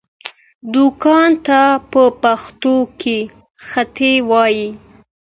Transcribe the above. دوکان ته په پښتو کې هټۍ وايي